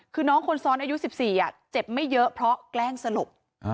คือน้องคนซ้อนอายุ๑๔เจ็บไม่เยอะเพราะแกล้งสลบ